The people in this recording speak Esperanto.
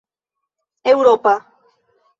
eŭropa